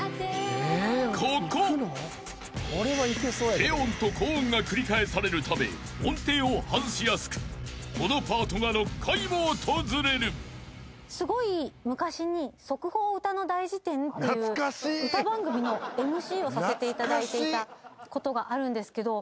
［低音と高音が繰り返されるため音程を外しやすくこのパートが６回も訪れる］させていただいていたことがあるんですけど。